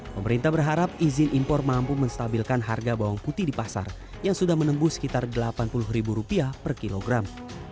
pemerintah berharap izin impor mampu menstabilkan harga bawang putih di pasar yang sudah menembus sekitar rp delapan puluh per kilogram